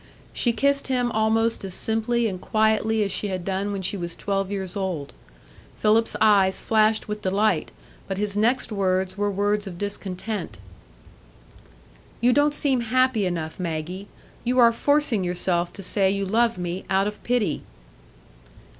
She kissed him almost as simply and quietly as she had done when she was twelve years old. Philip's eyes flashed with delight, but his next words were words of discontent. "You don't seem happy enough, Maggie; you are forcing yourself to say you love me, out of pity."